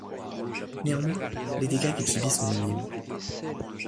Néanmoins, les dégâts qu’il subit sont minimes.